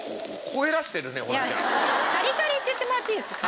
カリカリって言ってもらっていいですか？